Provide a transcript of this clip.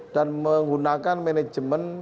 dan menggunakan manajemen